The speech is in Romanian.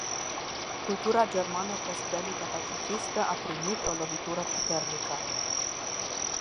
Cultura germană postbelică pacifistă a primit o lovitură puternică.